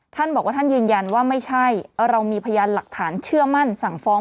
ท่านบอกว่าท่านยืนยันว่าไม่ใช่เรามีพยานหลักฐานเชื่อมั่นสั่งฟ้อง